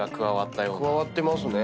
加わってますね。